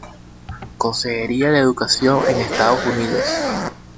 Consejería de Educación en Estados Unidos.